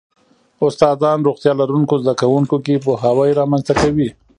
استادان روغتیا لرونکو زده کوونکو کې پوهاوی رامنځته کوي.